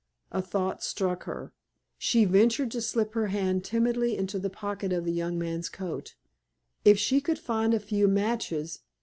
A thought struck her; she ventured to slip her hand timidly into the pocket of the young man's coat. If she could find a few matches!